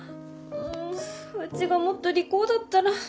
うちがもっと利口だったら。